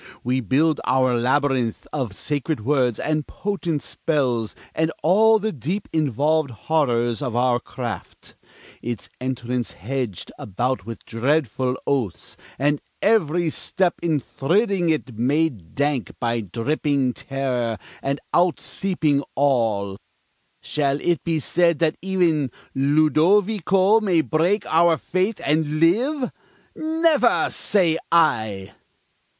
We build our labyrinth Of sacred words and potent spells, and all The deep involved horrors of our craft Its entrance hedg'd about with dreadful oaths, And every step in thridding it made dank By dripping terror and out seeping awe, Shall it be said that e'en Ludovico May break our faith and live? Never, say I!